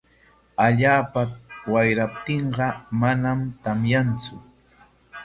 Allaapa wayraptinqa manam tamyantsu.